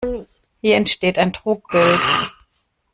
Hier entsteht ein Trugbild.